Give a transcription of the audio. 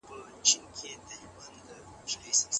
که زده کوونکی پوښتنه وکړي نو ذهن یې خلاصیږي.